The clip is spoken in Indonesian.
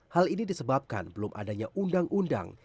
hal ini disebabkan belum adanya undang undang